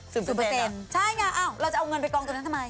สิบเปอร์เซ็นต์ใช่ไงเราจะเอาเงินไปกองตัวนั้นทำไม